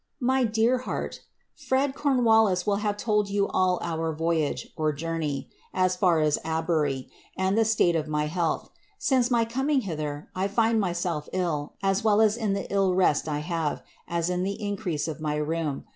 *• Mj dear heart, "Fred Com wallis will have told you all our voyage (journey) as far as Abury, sad the state of my health. Since my coming hither, I find myself ill, as well M in the iU re$t I have, as in the increase of my rheum.